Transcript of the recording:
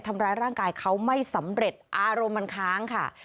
ทำร้ายร่างกายเขาไม่สำเร็จอารมณ์มันค้างค่ะ